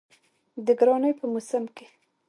د ګرانۍ په موسم کې